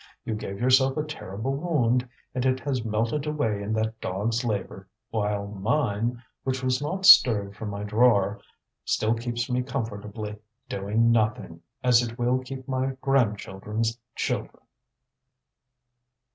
You gave yourself a terrible wound, and it has melted away in that dog's labour, while mine, which has not stirred from my drawer, still keeps me comfortably doing nothing, as it will keep my grandchildren's children."